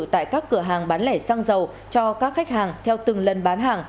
tại các cửa hàng bán lẻ xăng dầu cho các khách hàng theo từng lần bán hàng